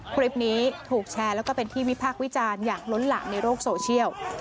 คลิปนี้ถูกแชร์แล้วก็เป็นที่วิพากษ์วิจารณ์อย่างล้นหลามในโลกโซเชียล